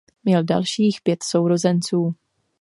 Měl dalších pět sourozenců.